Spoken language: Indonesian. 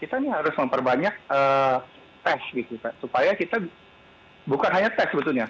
kita harus memperbanyak tes supaya kita bukan hanya tes sebetulnya